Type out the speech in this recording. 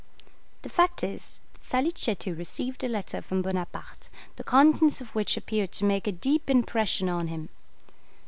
The fact is, that Salicetti received a letter from Bonaparte, the contents of which appeared to make a deep impression on him.